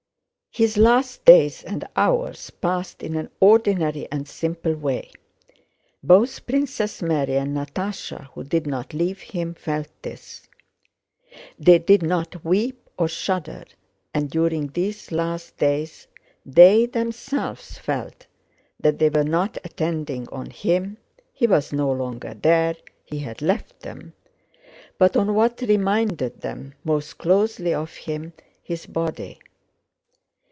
His last days and hours passed in an ordinary and simple way. Both Princess Mary and Natásha, who did not leave him, felt this. They did not weep or shudder and during these last days they themselves felt that they were not attending on him (he was no longer there, he had left them) but on what reminded them most closely of him—his body.